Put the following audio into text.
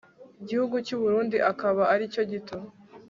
Gihugu cy Uburundi akaba aricyo gito